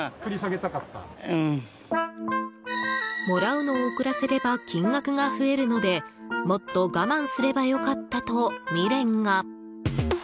もらうのを遅らせれば金額が増えるのでもっと我慢すれば良かったと未練が。